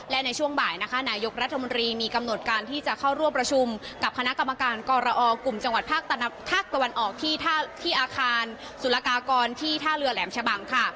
และในช่วงบ่ายนะคะนายกรัฐมนตรีมีกำหนดการที่จะเข้าร่วมประชุมกับคณะกรรมการกรอกลุ่มจังหวัดภาคตะวันออกที่อาคารสุรกากรที่ท่าเรือแหลมชะบังค่ะ